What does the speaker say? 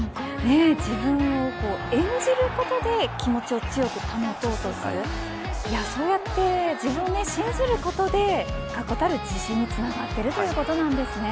自分を演じることで気持ちを強く保とうとするそうやって自分で信じることで確固たる自信につながっているということなんですね。